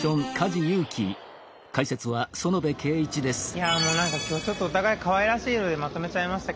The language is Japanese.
いやもう何か今日ちょっとお互いかわいらしい色でまとめちゃいましたけど。